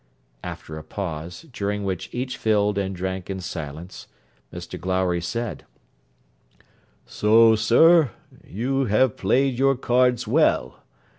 After a pause, during which each filled and drank in silence, Mr Glowry said, 'So, sir, you have played your cards well.